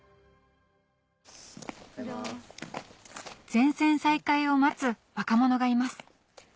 全線再開を待つ若者がいます